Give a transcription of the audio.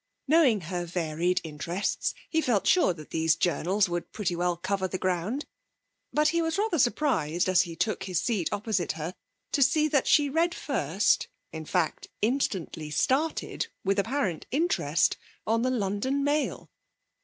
Knowing her varied interests, he felt sure that these journals would pretty well cover the ground, but he was rather surprised, as he took the seat opposite her, to see that she read first, in fact instantly started, with apparent interest, on The London Mail.